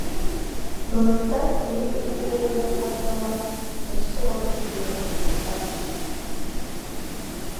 Былыттар үрүт-үрдүлэригэр хатталаһан, өссө ордук ыаһырбыттар